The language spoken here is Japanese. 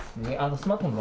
スマホの。